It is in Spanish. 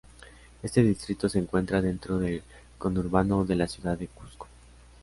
Este distrito se encuentra dentro del conurbano de la ciudad de Cuzco.